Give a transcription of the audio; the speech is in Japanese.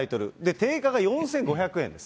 定価が４５００円です。